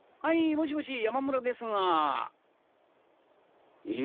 もしもし山村ですが。